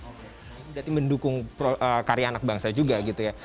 berarti mendukung karya anak bangsa juga gitu ya